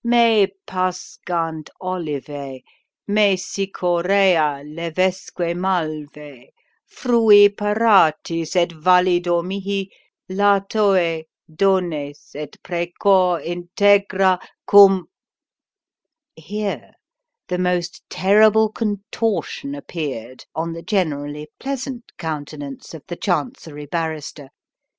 "'Me pascant olivae, Me cichorea, levesque malvae, Frui paratis, et valido mihi, Latoe, dones, et, precor, integra Cum '" Here the most terrible contortion appeared on the generally pleasant countenance of the Chancery Barrister.